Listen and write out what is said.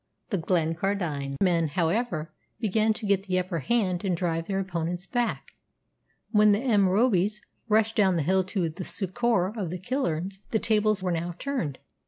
The Glencardine men, however, began to get the upper hand and drive their opponents back, when the M'Robbies rushed down the hill to the succour of the Killearns. The tables were now turned.